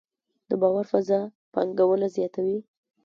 د باور فضا پانګونه زیاتوي؟